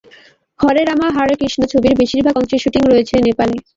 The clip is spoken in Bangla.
হরে রামা হরে কৃষ্ণা ছবির বেশির ভাগ অংশের শুটিং হয়েছে নেপালে।